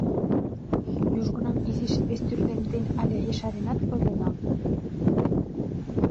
Южгунам изиш вестӱрлемден але ешаренат ойленам.